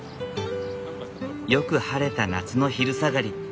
よく晴れた夏の昼下がり。